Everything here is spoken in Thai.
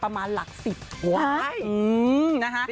ประมาณหลัก๑๐บาท